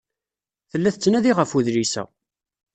Tella tettnadi ɣef udlis-a.